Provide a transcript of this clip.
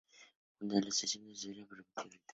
Juntos adoptaron a la hija de un primo de Rita.